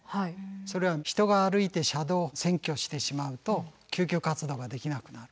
それは人が歩いて車道を占拠してしまうと救急活動ができなくなる。